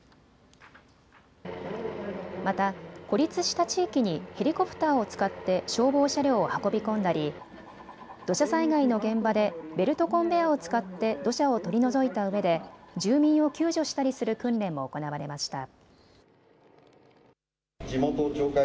また孤立した地域にヘリコプターを使って消防車両を運び込んだり土砂災害の現場でベルトコンベアを使って土砂を取り除いたうえで住民を救助したりする訓練も行われました。